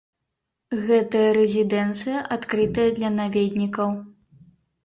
Гэтая рэзідэнцыя адкрытая для наведнікаў.